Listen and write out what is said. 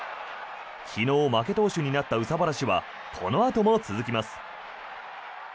昨日負け投手になった憂さ晴らしはこのあとも続きます。